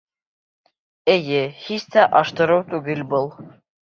Эйе, һис тә аштырыу түгел был.